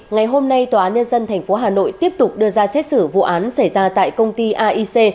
ngày hôm nay tnth hà nội tiếp tục đưa ra xét xử vụ án xảy ra tại công ty aic